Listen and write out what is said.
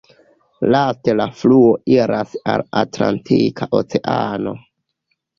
Laste la fluo iras al la Atlantika Oceano.